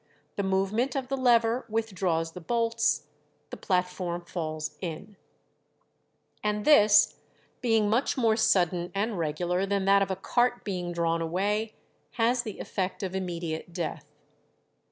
The movement of the lever withdraws the bolts, the platform falls in;" and this, being much more sudden and regular than that of a cart being drawn away, has the effect of immediate death.